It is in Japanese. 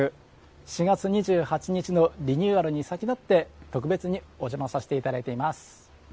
４月２８日のリニューアルに先立って特別にお邪魔させていただいています。